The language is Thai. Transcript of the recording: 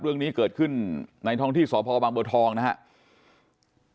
เรื่องนี้เกิดขึ้นในท้องที่สพบางบัวทองนะครับ